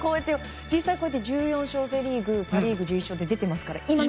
実際１４勝セ・リーグパ・リーグ１１勝と出ていますから。